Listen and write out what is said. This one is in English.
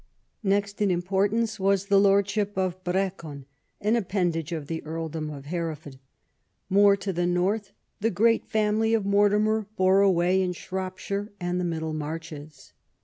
Next in importance was the lordship of Brecon, an appendage to the earldom of Hereford. More to the north the great family of Mortimer bore sway in Shropshire and the Middle Marches.